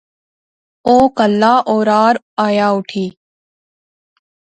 او کہلاہ اورار آیا اٹھی